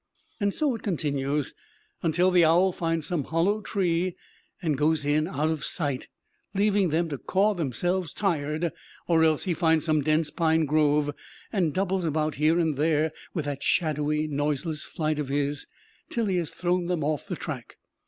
So it continues till the owl finds some hollow tree and goes in out of sight, leaving them to caw themselves tired; or else he finds some dense pine grove, and doubles about here and there, with that shadowy noiseless flight of his, till he has thrown them off the track.